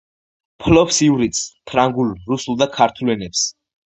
ფლობს ივრითს, ფრანგულ, რუსულ და ქართულ ენებს.